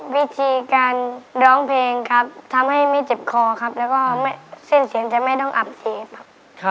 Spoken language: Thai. วิธีการร้องเพลงครับทำให้ไม่เจ็บคอครับแล้วก็เส้นเสียงจะไม่ต้องอักเสบครับ